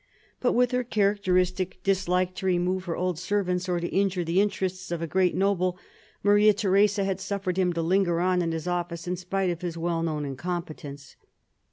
But with her characteristic dislike to remove her old servants or to injure the interests of a great noble, Maria Theresa had suffered him to linger on in his office, in spite of his well known incompetence.